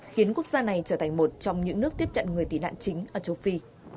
khiến quốc gia này trở thành một trong những nước tiếp nhận người tị nạn chính ở châu phi